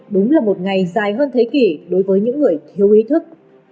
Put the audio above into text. đúng là một ngày dài hơn thế kỷ đối với những người thiếu ý thức